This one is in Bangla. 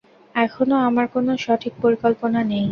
এখনও আমার কোন সঠিক পরিকল্পনা নেই।